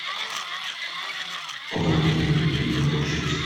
Over here in the bushes.